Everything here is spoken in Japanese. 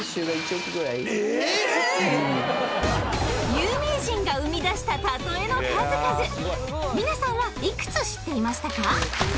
有名人が生み出したたとえの数々みなさんはいくつ知っていましたか？